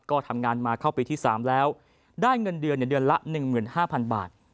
ก็ทำงานมาเข้าปีที่๓แล้วได้เงินเดือนเดือนละ๑๕๐๐๐บาท